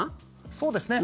そうですね。